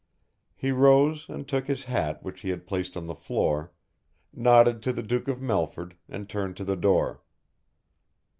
He rose and took his hat which he had placed on the floor, nodded to the Duke of Melford and turned to the door.